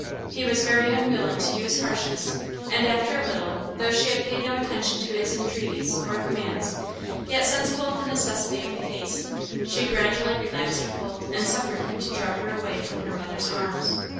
He was very unwilling to use harshness; and after a little, though she had paid no attention to his entreaties or commands, yet, sensible of the necessity of the case, she gradually relaxed her hold and suffered him to draw her away from her mother's arms.